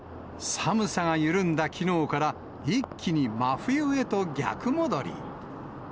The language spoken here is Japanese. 寒さが緩んだきのうから、一気に真冬へと逆戻り。